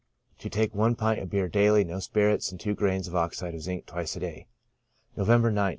To take one pint of beer daily, no spirits, and two grains of oxide of zinc, twice a day. November 9th.